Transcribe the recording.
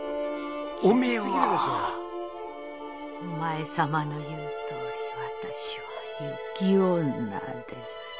「お前さまの言うとおり」